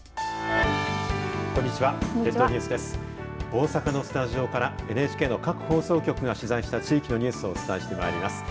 大阪のスタジオからＮＨＫの各放送局が取材した地域のニュースをお伝えしてまいります。